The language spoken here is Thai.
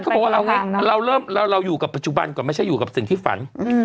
เพราะฉะนั้นเราอยู่กับปัจจุบันก่อนไม่ใช่อยู่กับสิ่งที่ฝัน